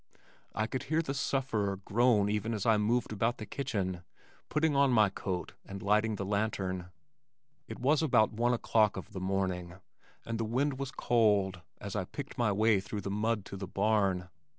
I could hear the sufferer groan even as I moved about the kitchen, putting on my coat and lighting the lantern. It was about one o'clock of the morning, and the wind was cold as I picked my way through the mud to the barn.